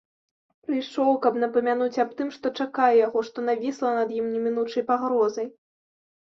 Прыйшоў, каб напамянуць аб тым, што чакае яго, што навісла над ім немінучай пагрозай.